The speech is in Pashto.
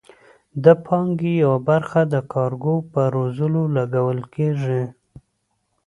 د پانګې یوه برخه د کارګرو په روزلو لګول کیږي.